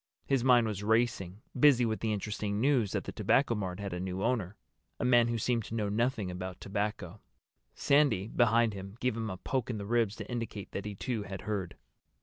His mind was racing, busy with the interesting news that the Tobacco Mart had a new owner—a man who seemed to know nothing about tobacco. Sandy, behind him, gave him a poke in the ribs to indicate that he too had heard.